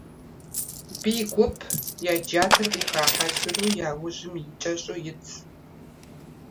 Бий гуп, я джатэр къиха хьэзыру, я ужьым кӀэщӀу итщ.